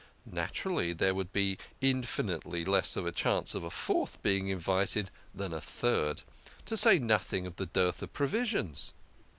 Naturally, there would be infinitely less chance of a fourth being invited than a third to say nothing of the dearth of provisions.